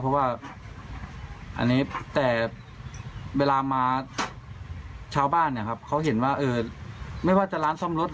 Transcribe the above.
เพราะว่าอันนี้แต่เวลามาชาวบ้านเขาเห็นว่าไม่ว่าจะร้านซ่อมรถ